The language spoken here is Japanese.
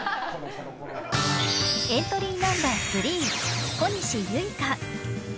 エントリーナンバー３小西結花。